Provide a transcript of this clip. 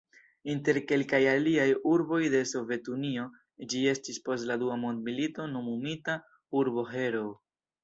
Inter kelkaj aliaj urboj de Sovet-Unio ĝi estis post la Dua mondmilito nomumita "Urbo-Heroo".